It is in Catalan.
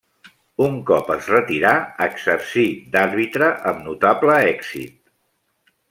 Un cop es retirà exercí d'àrbitre amb notable èxit.